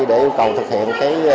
để yêu cầu thực hiện